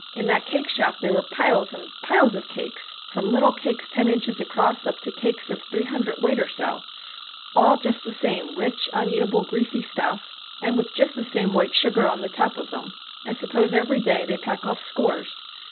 In that cake shop there were piles and piles of cakes, from little cakes ten inches across up to cakes of three hundredweight or so; all just the same rich, uneatable, greasy stuff, and with just the same white sugar on the top of them. I suppose every day they pack off scores.